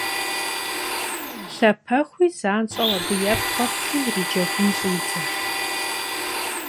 Lhapexui zanş'eu abı yêpxhuerti yiricegun ş'idzert.